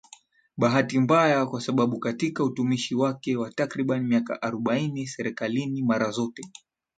bahati mbaya kwa sababu katika utumishi wake wa takribani miaka arobaini serikalini mara zote